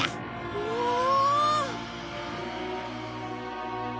うわあ！